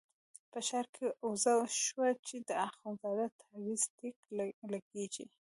په ښار کې اوازه شوه چې د اخندزاده تاویز ټیک لګېږي.